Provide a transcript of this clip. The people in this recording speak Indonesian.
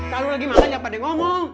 kalau lagi malah jangan pada ngomong